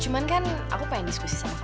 cuman kan aku pengen diskusi sama kamu dulu ya